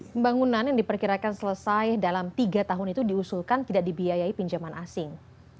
pembangunan yang diperkirakan selesai dalam tiga tahun itu diusulkan tidak dibiayai pinjaman asing